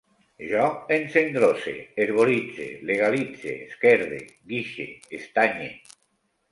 Jo encendrose, herboritze, legalitze, esquerde, guixe, estanye